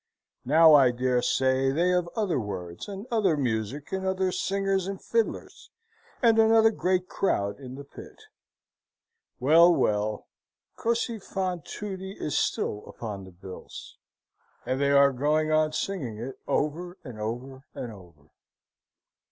Now, I dare say, they have other words, and other music, and other singers and fiddlers, and another great crowd in the pit. Well, well, Cosi fan tutti is still upon the bills, and they are going on singing it over and over and over.